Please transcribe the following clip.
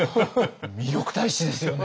魅力大使ですよね？